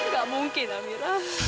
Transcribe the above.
gak mungkin amira